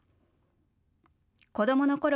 子どものころ